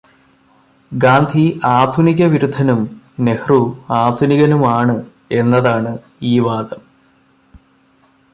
ഗാന്ധി ആധുനിക വിരുദ്ധനും നെഹ്രു ആധുനികനുമാണു എന്നതാണു ഈ വാദം.